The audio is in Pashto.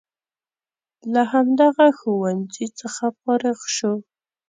له همدغه ښوونځي څخه فارغ شو.